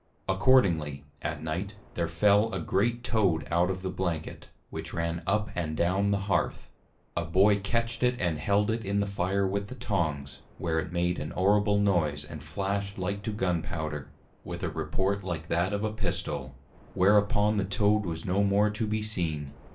Accordingly, at Night, there fell a great Toad out of the Blanket, which ran up and down the Hearth. A Boy catch't it, and held it in the Fire with the Tongs: where it made an horrible Noise, and Flash'd like to Gun Powder, with a report like that of a Pistol: Whereupon the Toad was no more to be seen.